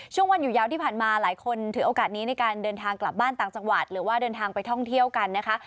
ช่วงวันอยู่ยาวที่ผ่านมาหลายคนถือโอกาสนี้ในการเดินทางกลับบ้านต่างจังหวัดหรือว่าเดินทางไปท่องเที่ยวกันนะคะ